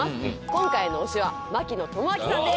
今回の推しは槙野智章さんです